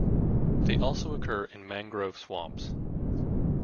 They also occur in mangrove swamps.